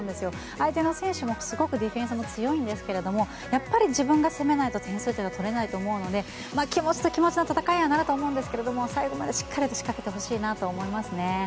相手の選手もすごくディフェンスが強いんですけどやっぱり自分が攻めないと点数は取れないと思うので気持ちと気持ちの戦いにはなると思うんですが最後までしっかりと仕掛けてほしいなと思いますね。